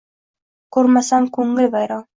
Kurmasam kungil vayron